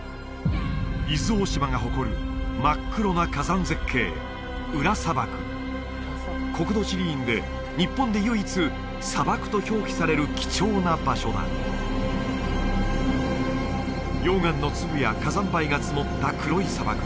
伊豆大島が誇る真っ黒な火山絶景裏砂漠国土地理院で日本で唯一「砂漠」と表記される貴重な場所だ溶岩の粒や火山灰が積もった黒い砂漠